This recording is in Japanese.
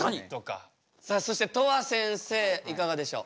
さあそしてとわせんせいいかがでしょう。